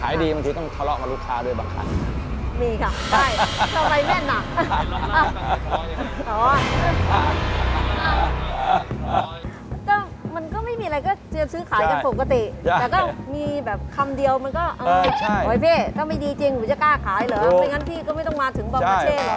ไม่งั้นพี่ก็ไม่ต้องมาถึงบรรพเช่เลย